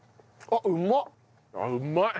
あっうまい！